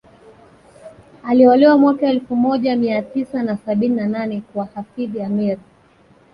Aliolewa mwaka wa elfu moja Mia tisa na sabini na nane kwa Hafidh Ameir